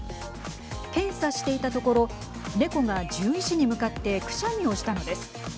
検査していたところネコが獣医師に向かってくしゃみをしたのです。